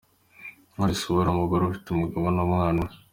Knowless ubu ni umugore ufite umugabo n’umwana umwe.